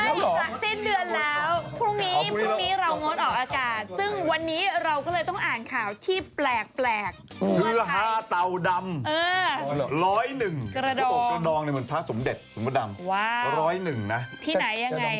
อากาศซึ่งวันนี้เราก็เลยต้องอ่านข่าวที่แปลกแปลกคือห้าเต่าดำเออร้อยหนึ่งเขาบอกกระดองเลยเหมือนท่าสมเด็จเหมือนว่าดำว้าวร้อยหนึ่งน่ะที่ไหนยังไง